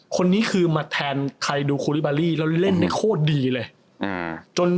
คนนี้คือมาแทนใครดูโคลิบาลี่แล้วเล่นได้โคตรดีเลยจน